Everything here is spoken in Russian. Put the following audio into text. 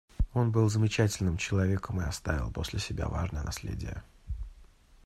Он был замечательным человеком и оставил после себя важное наследие.